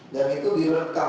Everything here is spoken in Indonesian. dan itu direkam